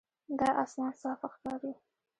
دا آسمان صاف ښکاري.